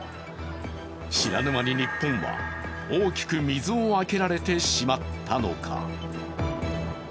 知らぬ間に日本は大きく水を開けられてしまったのか。